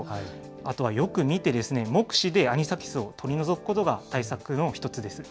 あとはよく見て、目視でアニサキスを取り除くことが対策の一つです。